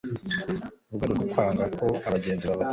mu rwego rwo kwanga ko abagenzi babacika